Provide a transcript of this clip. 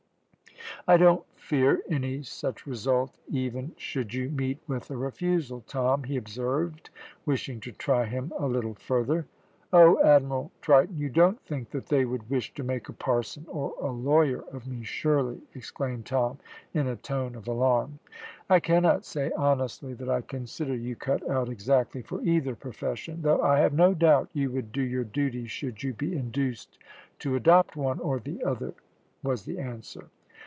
"I don't fear any such result even should you meet with a refusal, Tom," he observed, wishing to try him a little further. "Oh, Admiral Triton, you don't think that they would wish to make a parson or a lawyer of me surely?" exclaimed Tom, in a tone of alarm. "I cannot say honestly that I consider you cut out exactly for either profession, though I have no doubt you would do your duty should you be induced to adopt one or the other," was the answer.